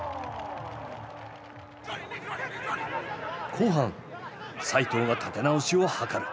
後半齋藤が立て直しを図る。